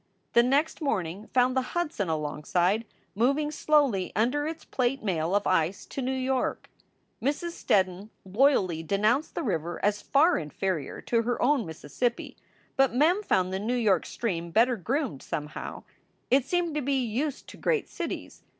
The next morning found the Hudson alongside, moving slowly under its plate mail of ice to New York. Mrs. Steddon loyally denounced the river as far inferior to her own Mississippi, but Mem found the New York stream better groomed, somehow. It seemed to be used to great cities.